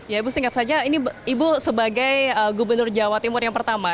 ya ibu singkat saja ini ibu sebagai gubernur jawa timur yang pertama